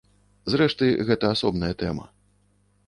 Зрэшты, гэта асобная тэма.